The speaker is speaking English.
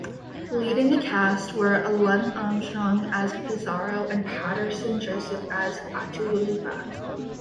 Leading the cast were Alun Armstrong as Pizarro and Paterson Joseph as Atahualpa.